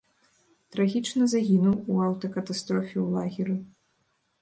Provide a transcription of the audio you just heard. Трагічна загінуў у аўтакатастрофе ў лагеры.